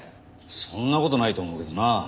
そんな事ないと思うけどな。